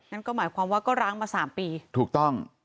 นั่นก็หมายความว่าก็ร้างมา๓ปีถูกต้อง